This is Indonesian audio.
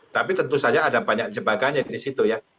tapi tentu saja ada banyak jebakannya di situ ya